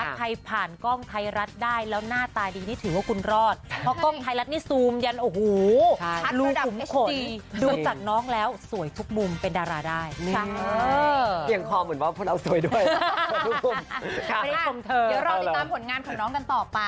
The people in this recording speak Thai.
ก็ให้ผ่านกล้องไอ้เฉยก็ได้อยากพิสูจน์ความสามารถตัวเองอยากลองนะคะ